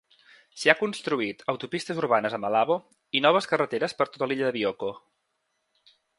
S'hi ha construït autopistes urbanes a Malabo i noves carreteres per tota l'illa de Bioko.